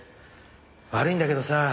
悪いんだけどさ